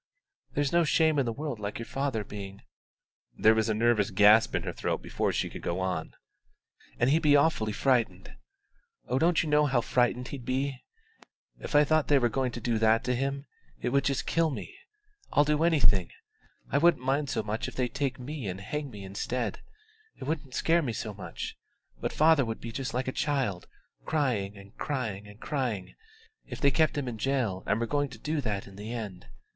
There's no shame in the world like your father being " (there was a nervous gasp in her throat before she could go on) "and he'd be awfully frightened. Oh, you don't know how frightened he'd be! If I thought they were going to do that to him, it would just kill me. I'll do anything; I wouldn't mind so much if they'd take me and hang me instead it wouldn't scare me so much: but father would be just like a child, crying and crying and crying, if they kept him in jail and were going to do that in the end.